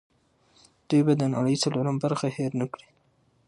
دوی به د نړۍ څلورمه برخه هېر نه کړي.